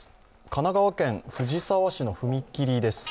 神奈川県藤沢市の踏切です。